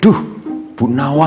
aduh bu nawang